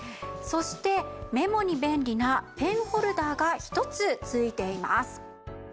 そしてメモに便利なペンホルダーが１つ付いています。